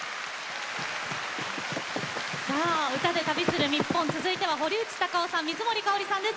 「歌で旅するニッポン」続いては、堀内孝雄さん水森かおりさんです。